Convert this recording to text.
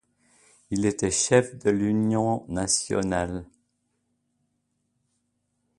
Il était le chef de l'Union nationale.